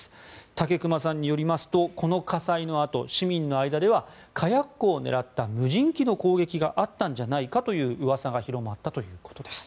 武隈さんによりますとこの火災のあと市民の間では火薬庫を狙った無人機の攻撃があったんじゃないかといううわさが広まったということです。